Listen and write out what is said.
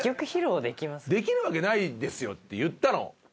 できるわけないですよって言ったの。